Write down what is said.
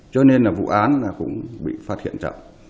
cho nên là vụ án là cũng bị phát hiện chậm